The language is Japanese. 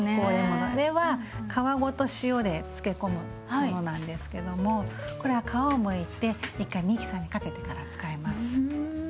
あれは皮ごと塩で漬け込むものなんですけどもこれは皮をむいて一回ミキサーにかけてから使います。